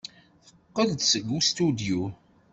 Teqqel-d seg ustidyu.